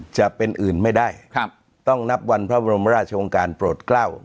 จะเป็นอื่นไม่ได้ต้องนับวันพระบรมราชองค์การโปรดเกล้า